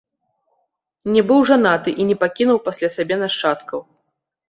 Не быў жанаты і не пакінуў пасля сябе нашчадкаў.